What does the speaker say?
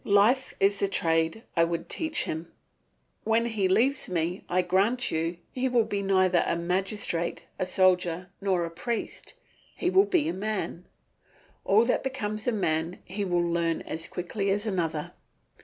Life is the trade I would teach him. When he leaves me, I grant you, he will be neither a magistrate, a soldier, nor a priest; he will be a man. All that becomes a man he will learn as quickly as another.